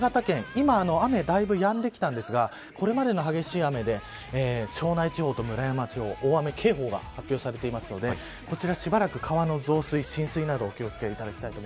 今、雨だいぶやんできたんですがこれまでの激しい雨で庄内地方と村山地方大雨警報が発表されているのでこちら、しばらく川の増水や浸水にお気を付けください。